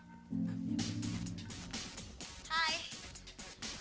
gimana nih musiknya seru gak